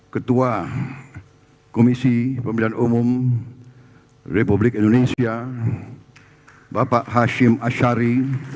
ketua komisi pemilihan umum republik indonesia bapak hashim ashari